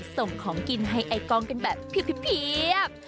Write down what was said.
ส่งของกินให้ไอกล้องกันแบบเพียบ